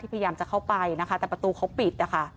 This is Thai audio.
พยายามจะเข้าไปนะคะแต่ประตูเขาปิดนะคะ